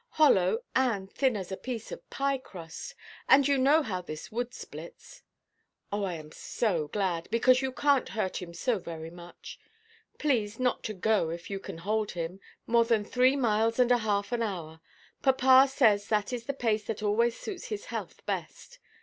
"Hollow, and thin as a piece of pie–crust; and you know how this wood splits." "Oh, I am so glad, because you canʼt hurt him so very much. Please not to go, if you can hold him, more than three miles and a half an hour. Papa says that is the pace that always suits his health best.